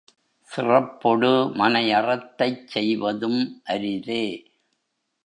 சிறப்பொடு, மனைய றத்தைச் செய்வதும் அரிதே!